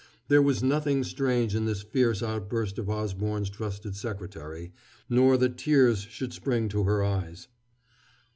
There was nothing strange in this fierce outburst of Osborne's trusted secretary, nor that tears should spring to her eyes.